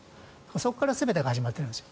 そこから全てが始まっているんです。